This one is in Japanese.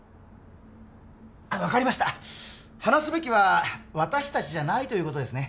分かりました話すべきは私達じゃないということですね